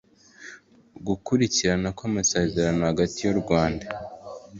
gukurikirana ko amasezerano hagati y'u rwanda